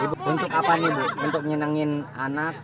untuk apa nih ibu untuk nyenengin anak